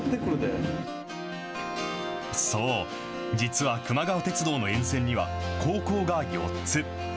そう、実はくま川鉄道の沿線には、高校が４つ。